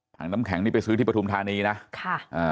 งน้ำแข็งนี่ไปซื้อที่ปฐุมธานีนะค่ะอ่า